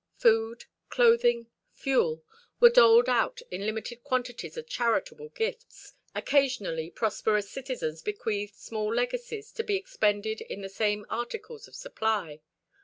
Food, clothing, fuel were doled out in limited quantities as charitable gifts; occasionally prosperous citizens bequeathed small legacies to be expended in the same articles of supply.